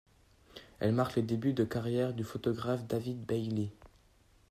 Elle marque les débuts de carrière du photographe David Bailey.